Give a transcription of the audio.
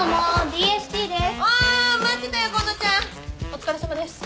お疲れさまです。